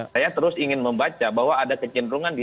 saya terus ingin membaca bahwa ada kecenderungan di dua ribu dua puluh